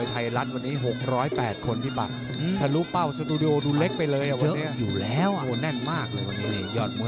ก้าวเด้งซูจิบะหมี่เกี๊ยว๒๕